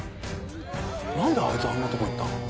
なんであいつあんなとこ行ったの？